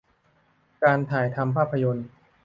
การถ่ายทำภาพยนตร์